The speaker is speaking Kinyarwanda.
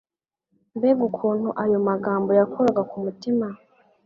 Mbega ukuntu ayo magambo yakoraga ku mutima